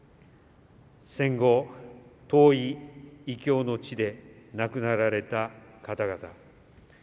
戦後、遠い異郷の地で亡くなられた方々。